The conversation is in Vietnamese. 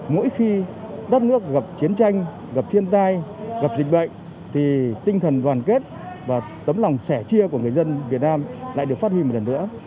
mỗi khi đất nước gặp chiến tranh gặp thiên tai gặp dịch bệnh thì tinh thần đoàn kết và tấm lòng sẻ chia của người dân việt nam lại được phát huy một lần nữa